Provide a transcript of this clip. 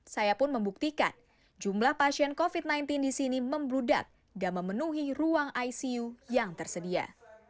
saya pun membuktikan jumlah pasien covid sembilan belas di sini membludak dan memenuhi ruang icu yang tersedia